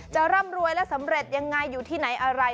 ร่ำรวยและสำเร็จยังไงอยู่ที่ไหนอะไร